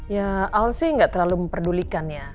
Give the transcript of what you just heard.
ya al sih gak terlalu memperdulikan ya